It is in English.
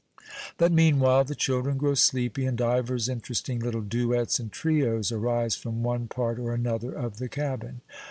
But, meanwhile, the children grow sleepy, and divers interesting little duets and trios arise from one part or another of the cabin.